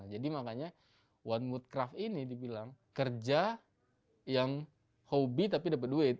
jadi makanya one woodcraft ini dibilang kerja yang hobi tapi dapat duit